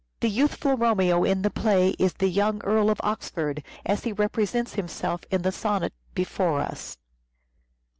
The youthful Romeo in the play is the young Earl of Oxford as he represents himself in the sonnet before us.